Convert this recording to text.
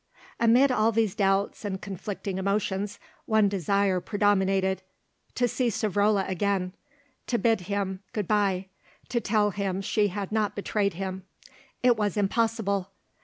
Amid all these doubts and conflicting emotions one desire predominated, to see Savrola again, to bid him good bye, to tell him she had not betrayed him. It was impossible.